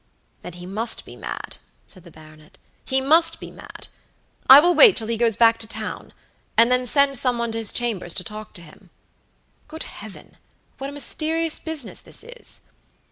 "Then he must be mad," said the baronet"he must be mad. I will wait till he goes back to town, and then send some one to his chambers to talk to him. Good Heaven! what a mysterious business this is."